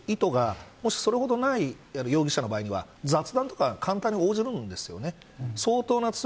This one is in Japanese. その犯行するんだという意図がもしそれを貫いた容疑者の場合は雑談とか簡単に応じるんですよね。